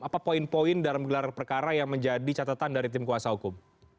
apa poin poin dalam gelar perkara yang menjadi catatan dari tim kuasa hukum